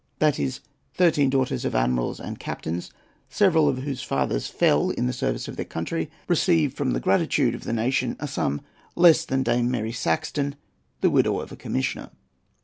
That is—thirteen daughters of admirals and captains, several of whose fathers fell in the service of their country, receive from the gratitude of the nation a sum less than Dame Mary Saxton, the widow of a commissioner.